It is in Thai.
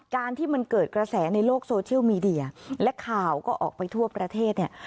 การที่มันเกิดกระแสในโลกโซเชียลมีเดียและข่าวก็ออกไปทั่วประเทศเนี่ย